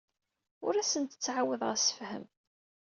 Ur asent-d-ttɛawadeɣ assefhem.